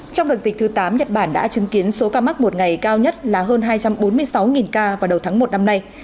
trong đợt dịch thứ tám nhật bản đã chứng kiến số ca mắc một ngày cao nhất là hơn hai trăm bốn mươi sáu ca vào đầu tháng một năm nay